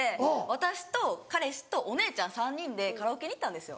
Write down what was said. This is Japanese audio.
私と彼氏とお姉ちゃん３人でカラオケに行ったんですよ。